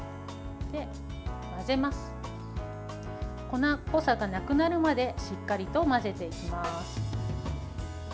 粉っぽさがなくなるまでしっかりと混ぜていきます。